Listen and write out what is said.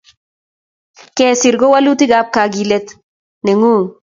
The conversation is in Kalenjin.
Kesir ko walutikap kakilet ne ngung